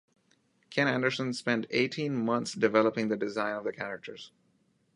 Ken Anderson spent eighteen months developing the design of the characters.